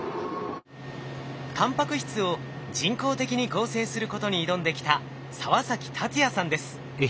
タンパク質を人工的に合成することに挑んできた澤崎達也さんです。